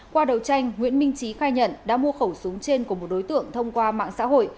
qua đầu tranh nguyễn minh trí khai nhận đã mua khẩu súng trên của một đối tượng thông qua mạng xã hội